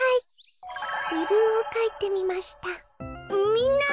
みんな！